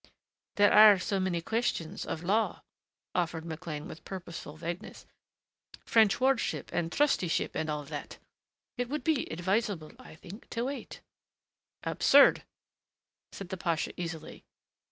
"There are so many questions of law," offered McLean with purposeful vagueness. "French wardship and trusteeship and all that. It would be advisable, I think, to wait." "Absurd," said the pasha easily.